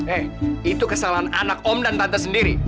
eh itu kesalahan anak om dan tante sendiri